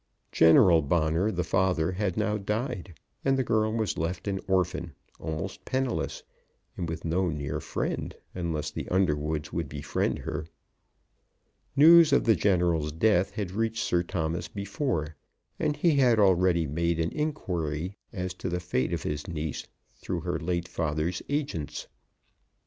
General Bonner, the father, had now died, and the girl was left an orphan, almost penniless, and with no near friend unless the Underwoods would befriend her. News of the General's death had reached Sir Thomas before; and he had already made inquiry as to the fate of his niece through her late father's agents.